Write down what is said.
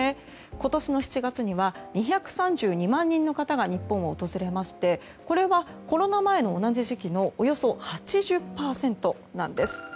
今年の７月には２３２万人の方が日本を訪れましてこれは、コロナ前の同じ時期のおよそ８０％なんです。